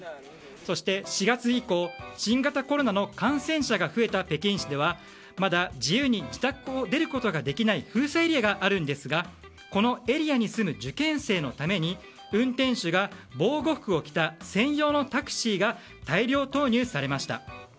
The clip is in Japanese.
そして、４月以降新型コロナの感染者が増えた北京市では、まだ自由に自宅を出ることができない封鎖エリアがあるんですがこのエリアに住む受験生のために運転手が防護服を着た専用のタクシーが大量投入されました。